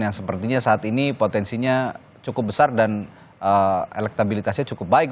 yang sepertinya saat ini potensinya cukup besar dan elektabilitasnya cukup baik